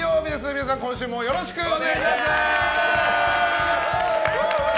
皆さん、今週もよろしくお願いします！